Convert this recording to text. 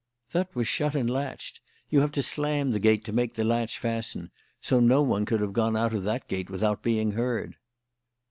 "That was shut and latched. You have to slam the gate to make the latch fasten, so no one could have gone out of that gate without being heard."